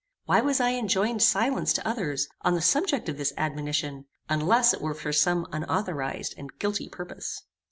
Why was I enjoined silence to others, on the subject of this admonition, unless it were for some unauthorized and guilty purpose?